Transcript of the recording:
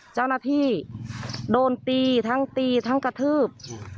เจ้าหน้าที่โดนตีทั้งตีทั้งกระทืบ